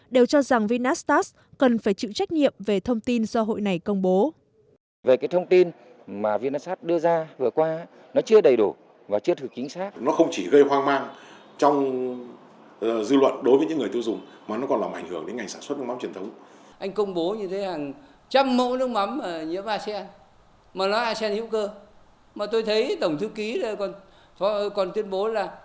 đều cho rằng vinatax cần phải chịu trách nhiệm về thông tin do hội này công bố